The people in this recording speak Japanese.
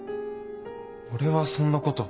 俺はそんなこと。